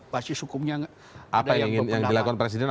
pasti hukumnya ada yang berbenah